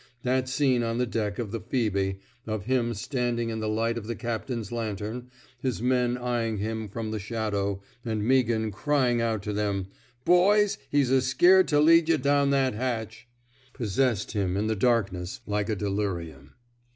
That scene on the deck of the Phoebe — of him standing in the light of the 'captain's lantern, his men eying him from the shadow, and Meaghan crying out to them: Boys, he's a scared to lead yuh down that hatch'' — possessed him in the darkness like a delirium.